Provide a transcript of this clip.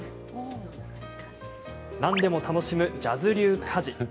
何でも楽しむジャズ流家事。